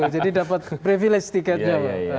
jadi dapat privilege ticketnya